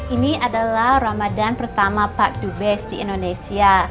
ini adalah ramadan pertama pak dubes di indonesia